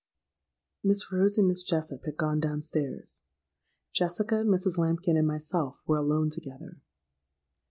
"Miss Rhodes and Miss Jessop had gone down stairs; Jessica, Mrs. Lambkin, and myself were alone together.